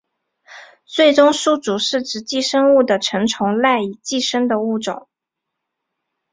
最终宿主是指寄生物的成虫赖以寄生的物种。